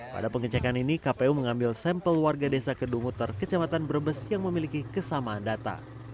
pada pengecekan ini kpu mengambil sampel warga desa kedunguter kecamatan brebes yang memiliki kesamaan data